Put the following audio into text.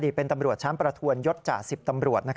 เป็นตำรวจชั้นประทวนยศจ่า๑๐ตำรวจ